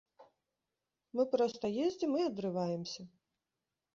Мы проста ездзім і адрываемся!